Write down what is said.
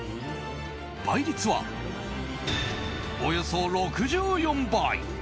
倍率は、およそ６４倍。